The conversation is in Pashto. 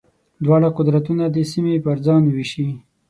دواړه قدرتونه دې سیمې پر ځان وېشي.